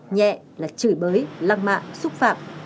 nhẹ là chửi bới lăng mạ xúc phạm